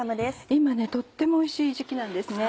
今とてもおいしい時期なんですね。